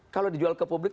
kalau dijual ke publik